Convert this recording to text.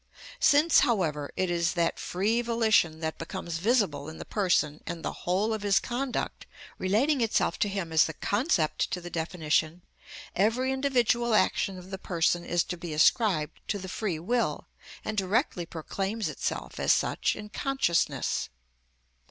Since, however, it is that free volition that becomes visible in the person and the whole of his conduct, relating itself to him as the concept to the definition, every individual action of the person is to be ascribed to the free will, and directly proclaims itself as such in consciousness.